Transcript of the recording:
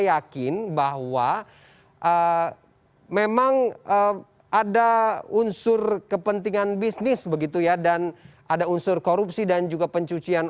yakin bahwa memang ada unsur kepentingan bisnis begitu ya dan ada unsur korupsi dan juga pencucian